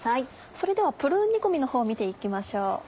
それではプルーン煮込みのほうを見て行きましょう。